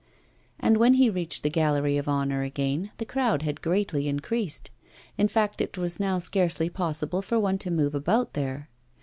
And when he reached the Gallery of Honour again, the crowd had greatly increased. In fact, it was now scarcely possible for one to move about there.